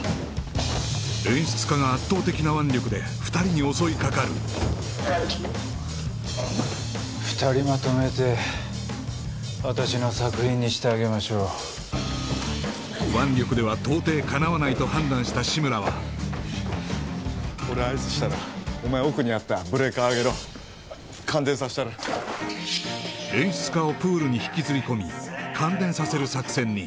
演出家が圧倒的な腕力で２人に襲いかかる二人まとめて私の作品にしてあげましょう腕力では到底かなわないと判断した志村は俺合図したらお前奥にあったブレーカー上げろ感電さしたる演出家をプールに引きずり込み感電させる作戦に